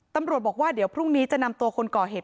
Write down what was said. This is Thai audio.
ตำรวจบอกว่าเดี๋ยวพรุ่งนี้จะนำตัวคนก่อเหตุ